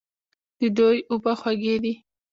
د دوی اوبه خوږې دي.